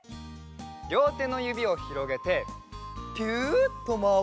りょうてのゆびをひろげてピュッとまわすよ。